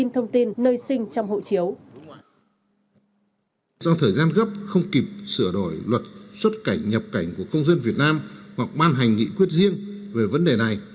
trong thời gian gấp không kịp sửa đổi luật xuất cảnh nhập cảnh của công dân việt nam hoặc ban hành nghị quyết riêng về vấn đề này